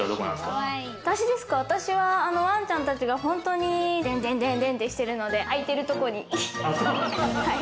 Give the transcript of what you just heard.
私はワンちゃんたちが本当にデンデンデンってしてるので、空いてるところに。